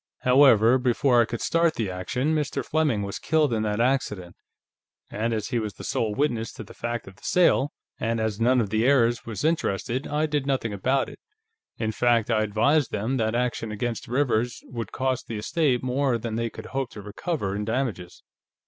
However, before I could start action, Mr. Fleming was killed in that accident, and as he was the sole witness to the fact of the sale, and as none of the heirs was interested, I did nothing about it. In fact, I advised them that action against Rivers would cost the estate more than they could hope to recover in damages."